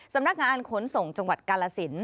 สำนักงานขนส่งจังหวัดกาลสิน